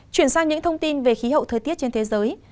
chuyển sang những thông tin về khí hậu thời tiết trên thế giới